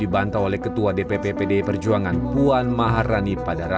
berarti pernyataan adian benar ya pak